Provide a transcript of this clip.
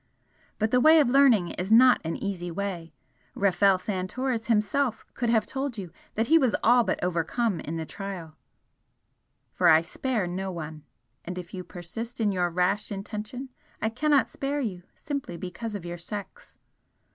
But the way of learning is not an easy way Rafel Santoris himself could have told you that he was all but overcome in the trial for I spare no one! and if you persist in your rash intention I cannot spare you simply because of your sex."